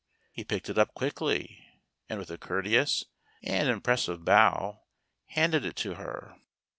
He picked it up quickly, and, with a courteous and impressive bow, handed it to her.